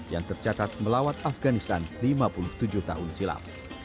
yang tercatat melawan afganistan lima puluh tujuh tahun silam